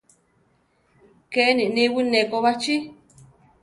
Keni niwí neko bachí.